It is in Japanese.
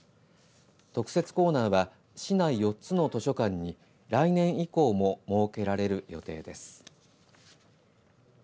特設コーナーは市内４つの図書館に来年以降も設けられる予定です。